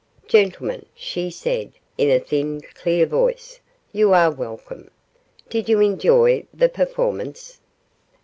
'Gentlemen,' she said, in a thin, clear voice, 'you are welcome. Did you enjoy the performance?